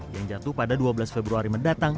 yang jatuh pada dua belas februari mendatang